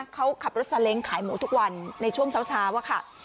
เขาขับรถซาเล้งขายหมูทุกวันในช่วงเช้าอะค่ะ